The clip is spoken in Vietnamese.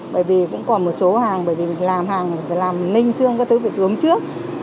bởi vì cũng còn một số hàng bởi vì làm hàng phải làm ninh xương các thứ bị tuống trước